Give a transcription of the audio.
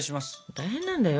大変なんだよ